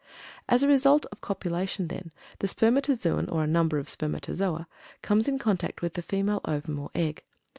As a result of copulation, then, the spermatozoon (or a number of spermatozoa) comes in contact with the female ovum or egg.